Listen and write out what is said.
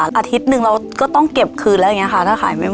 อาทิตย์หนึ่งเราก็ต้องเก็บคืนแล้วอย่างนี้ค่ะถ้าขายไม่หมด